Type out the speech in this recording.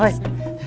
masih ga ada kerjaan